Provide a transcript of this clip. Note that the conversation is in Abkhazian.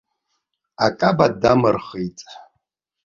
Акаба дамырхит.